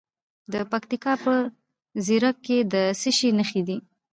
د پکتیکا په زیروک کې د څه شي نښې دي؟